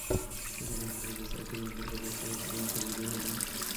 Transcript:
তিনি বাংলায় যে চারটি গ্রন্থ প্রকাশ করেছিলেন সেগুলি হল -